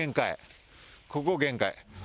ここが限界。